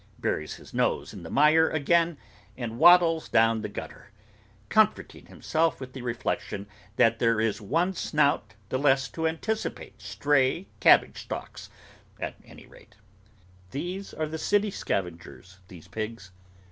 buries his nose in the mire again, and waddles down the gutter: comforting himself with the reflection that there is one snout the less to anticipate stray cabbage stalks, at any rate. They are the city scavengers, these pigs.